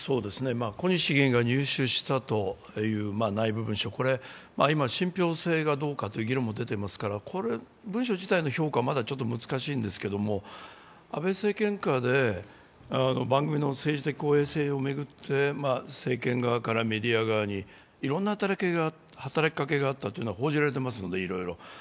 小西議員が入手したという内部文書、今、信ぴょう性がどうかという議論も出ていますからこの文書自体の評価はまだ難しいんですけれども、安倍政権下で番組の政治的公平を巡って政権側からメディア側にいろんな働きかけがあったというのは報じられていますので、いろいろ。